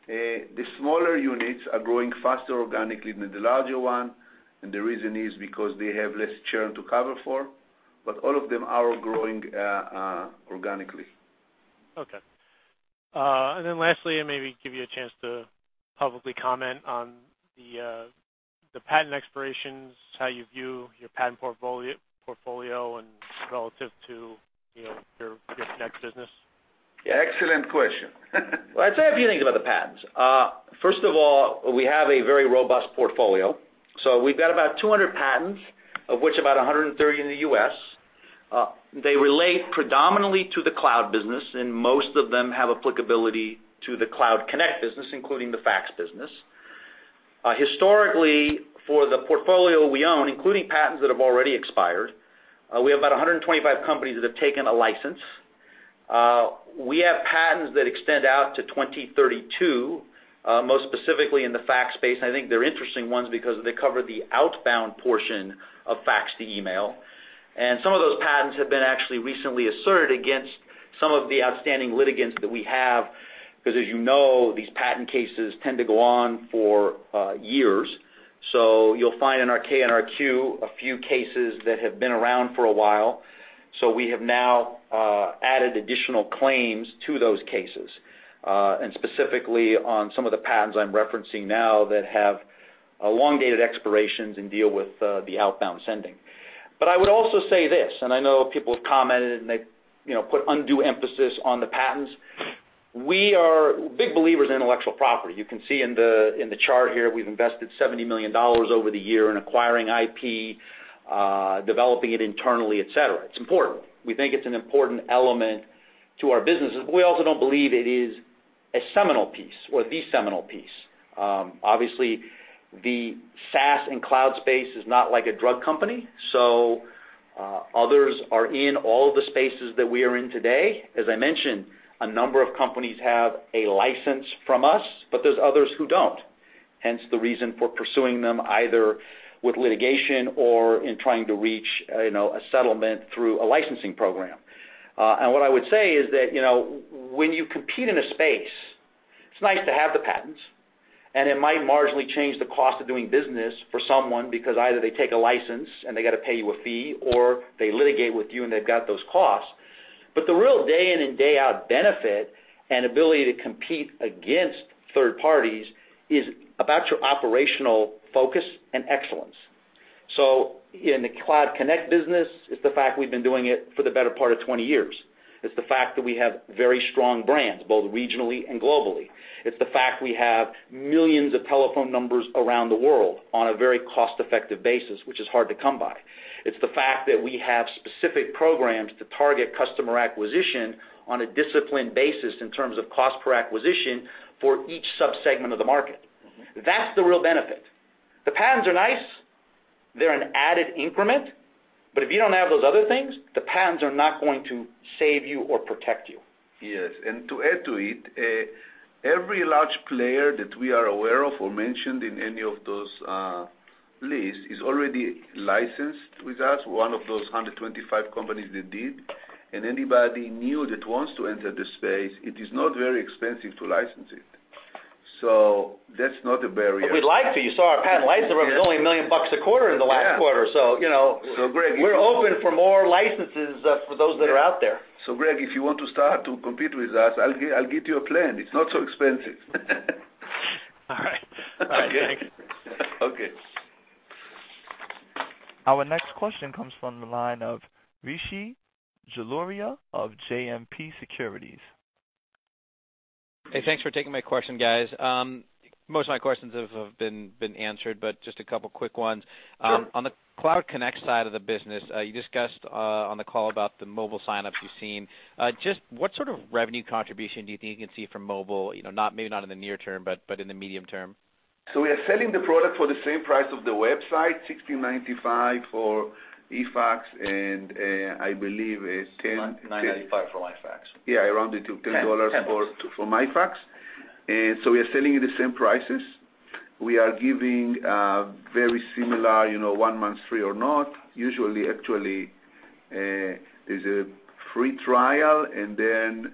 The smaller units are growing faster organically than the larger one, and the reason is because they have less churn to cover for, but all of them are growing organically. Okay. Lastly, maybe give you a chance to publicly comment on the patent expirations, how you view your patent portfolio and relative to your Connect business. Yeah. Excellent question. Well, I'd say a few things about the patents. First of all, we have a very robust portfolio. We've got about 200 patents, of which about 130 are in the U.S. They relate predominantly to the cloud business, and most of them have applicability to the Cloud Connect business, including the fax business. Historically, for the portfolio we own, including patents that have already expired, we have about 125 companies that have taken a license. We have patents that extend out to 2032, most specifically in the fax space, and I think they're interesting ones because they cover the outbound portion of fax to email. Some of those patents have been actually recently asserted against some of the outstanding litigants that we have, because as you know, these patent cases tend to go on for years. You'll find in our K and our Q, a few cases that have been around for a while. We have now added additional claims to those cases, and specifically on some of the patents I'm referencing now that have elongated expirations and deal with the outbound sending. I would also say this, and I know people have commented, they put undue emphasis on the patents. We are big believers in intellectual property. You can see in the chart here, we've invested $70 million over the year in acquiring IP, developing it internally, et cetera. It's important. We think it's an important element to our business. We also don't believe it is a seminal piece or the seminal piece. Obviously, the SaaS and cloud space is not like a drug company, so others are in all of the spaces that we are in today. As I mentioned, a number of companies have a license from us, but there's others who don't, hence the reason for pursuing them either with litigation or in trying to reach a settlement through a licensing program. What I would say is that, when you compete in a space, it's nice to have the patents, and it might marginally change the cost of doing business for someone, because either they take a license and they got to pay you a fee, or they litigate with you and they've got those costs. The real day in and day out benefit and ability to compete against third parties is about your operational focus and excellence. In the Cloud Connect business, it's the fact we've been doing it for the better part of 20 years. It's the fact that we have very strong brands, both regionally and globally. It's the fact we have millions of telephone numbers around the world on a very cost-effective basis, which is hard to come by. It's the fact that we have specific programs to target customer acquisition on a disciplined basis in terms of cost per acquisition for each sub-segment of the market. That's the real benefit. The patents are nice. They're an added increment, if you don't have those other things, the patents are not going to save you or protect you. Yes. To add to it, every large player that we are aware of or mentioned in any of those lists is already licensed with us, one of those 125 companies that did. Anybody new that wants to enter the space, it is not very expensive to license it. That's not a barrier. We'd like to. You saw our patent license revenue is only $1 million a quarter in the last quarter or so. Yeah. Greg. We're open for more licenses for those that are out there. Greg, if you want to start to compete with us, I'll get you a plan. It's not so expensive. All right. All right, thank you. Okay. Our next question comes from the line of Rishi Jaluria of JMP Securities. Hey, thanks for taking my question, guys. Most of my questions have been answered, just a couple quick ones. Sure. On the Cloud Connect side of the business, you discussed on the call about the mobile sign-ups you've seen. What sort of revenue contribution do you think you can see from mobile, maybe not in the near term, but in the medium term? We are selling the product for the same price of the website, $16.95 for eFax, I believe it's 10- $9.95 for MyFax. Yeah, around the $10- $10 for MyFax. We are selling at the same prices. We are giving very similar, one month free or not. Usually, actually, there's a free trial, and then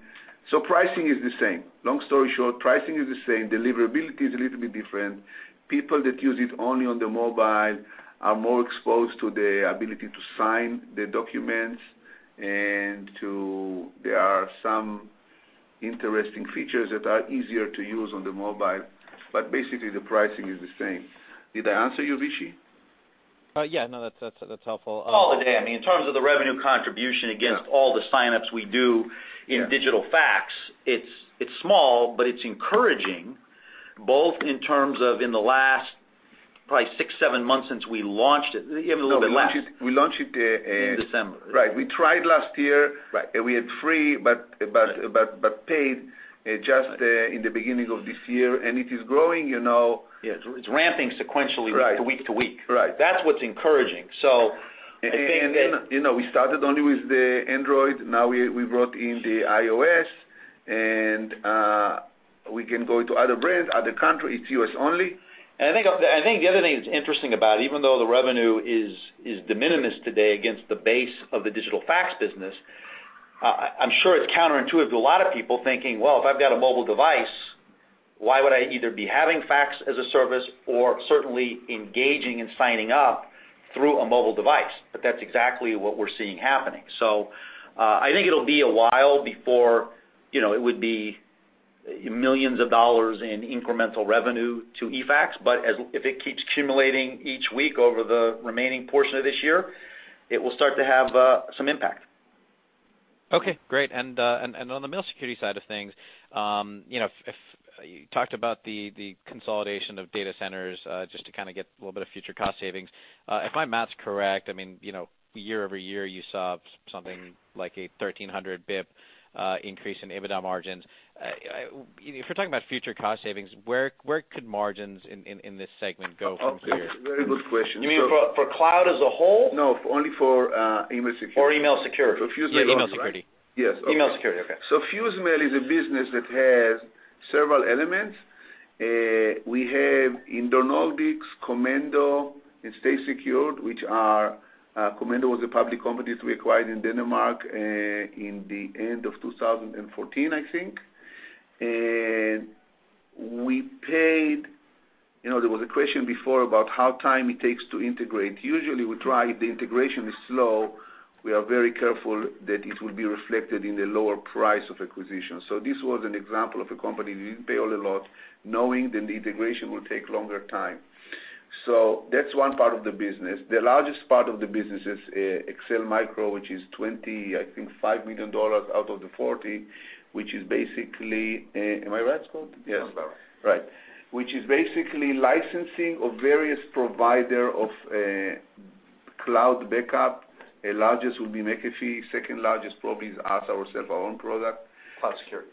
pricing is the same. Long story short, pricing is the same. Deliverability is a little bit different. People that use it only on the mobile are more exposed to the ability to sign the documents and there are some interesting features that are easier to use on the mobile. Basically, the pricing is the same. Did I answer you, Rishi? Yeah. No, that's helpful. Call it a day. In terms of the revenue contribution against all the sign-ups we do in digital fax, it's small, but it's encouraging, both in terms of in the last probably six, seven months since we launched it, even a little bit less. No, we launched it. In December. Right. We tried last year. Right. We had free, paid just in the beginning of this year. It is growing. It's ramping sequentially. Right week to week. Right. That's what's encouraging. I think that. We started only with the Android. Now we wrote in the iOS, and we can go into other brands, other countries. It's U.S. only. I think the other thing that's interesting about it, even though the revenue is de minimis today against the base of the digital fax business, I'm sure it's counterintuitive to a lot of people thinking, "Well, if I've got a mobile device, why would I either be having fax as a service or certainly engaging and signing up through a mobile device?" That's exactly what we're seeing happening. I think it'll be a while before it would be millions of dollars in incremental revenue to eFax. If it keeps accumulating each week over the remaining portion of this year, it will start to have some impact. Okay, great. On the Mail Security side of things, you talked about the consolidation of data centers, just to kind of get a little bit of future cost savings. If my math's correct, year-over-year, you saw something like a 1,300 basis points increase in EBITDA margins. If you're talking about future cost savings, where could margins in this segment go from here? Very good question. You mean for Cloud as a whole? No, only for Email Security. For Email Security. FuseMail, right? Yeah, Email Security. Yes. Okay. Email Security, okay. FuseMail is a business that has several elements. We have Indoor Nordics, Comendo, and StaySecured. Comendo was a public company that we acquired in Denmark in the end of 2014, I think. There was a question before about how time it takes to integrate. Usually, we try, if the integration is slow, we are very careful that it will be reflected in the lower price of acquisition. This was an example of a company that didn't pay all a lot, knowing that the integration will take longer time. That's one part of the business. The largest part of the business is Excel Micro, which is 20, I think, $25 million out of the 40, which is basically, am I right, Scott? Sounds about right. Right. Which is basically licensing of various provider of cloud backup. Largest would be McAfee. Second largest probably is us, our own product. Cloud security.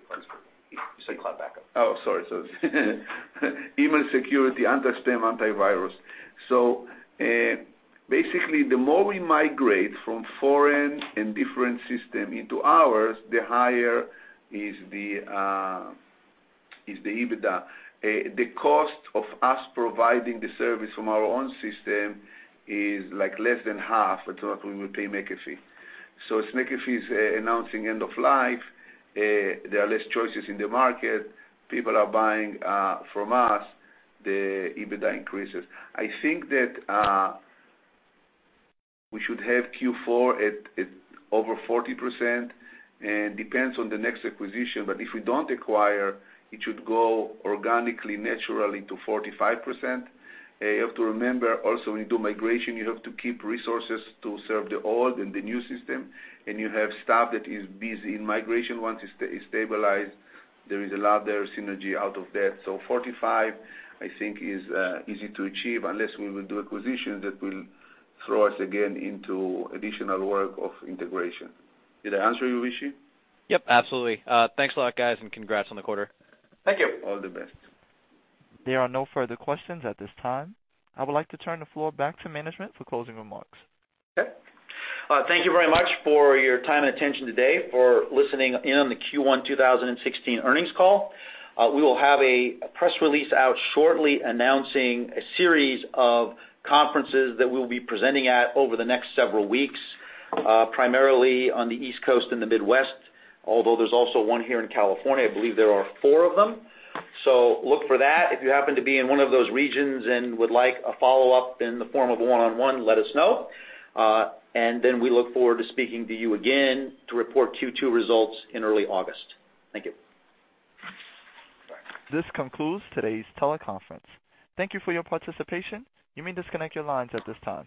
You said cloud backup. Oh, sorry. Email security, anti-spam, anti-virus. Basically, the more we migrate from foreign and different system into ours, the higher is the EBITDA. The cost of us providing the service from our own system is less than half of what we would pay McAfee. As McAfee is announcing end of life, there are less choices in the market. People are buying from us, the EBITDA increases. I think that we should have Q4 at over 40%, and depends on the next acquisition, but if we don't acquire, it should grow organically, naturally, to 45%. You have to remember also, when you do migration, you have to keep resources to serve the old and the new system, and you have staff that is busy in migration. Once it stabilize, there is a lot there, synergy out of that. 45%, I think is easy to achieve, unless we will do acquisition that will throw us again into additional work of integration. Did I answer you, Rishi? Yep, absolutely. Thanks a lot, guys, and congrats on the quarter. Thank you. All the best. There are no further questions at this time. I would like to turn the floor back to management for closing remarks. Okay. Thank you very much for your time and attention today, for listening in the Q1 2016 earnings call. We will have a press release out shortly announcing a series of conferences that we'll be presenting at over the next several weeks, primarily on the East Coast and the Midwest, although there's also one here in California. I believe there are four of them. Look for that. If you happen to be in one of those regions and would like a follow-up in the form of a one-on-one, let us know. We look forward to speaking to you again to report Q2 results in early August. Thank you. This concludes today's teleconference. Thank you for your participation. You may disconnect your lines at this time.